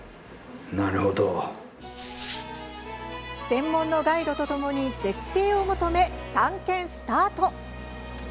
専門のガイドとともに絶景を求め、探検スタート！